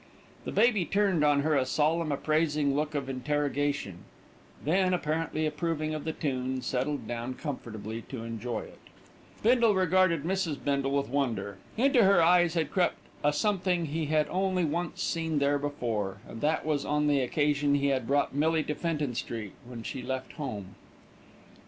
The baby turned on her a solemn, appraising look of interrogation, then, apparently approving of the tune, settled down comfortably to enjoy it. Bindle regarded Mrs. Bindle with wonder. Into her eyes had crept a something he had only once seen there before, and that was on the occasion he had brought Millie to Fenton Street when she left home.